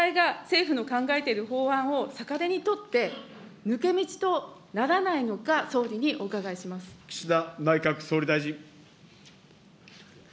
教会が政府の考えている法案を逆手にとって、抜け道とならないの岸田内閣総理大臣。